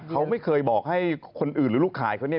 เขาไม่เคยบอกให้คนอื่นหรือลูกขายเขาเนี่ย